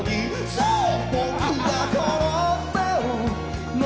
そう！